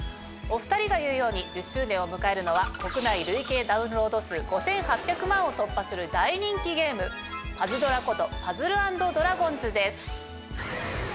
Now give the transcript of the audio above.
お２人が言うように１０周年を迎えるのは国内累計ダウンロード数５８００万を突破する大人気ゲームパズドラこと『ＰＵＺＺＬＥ＆ＤＲＡＧＯＮＳ』です。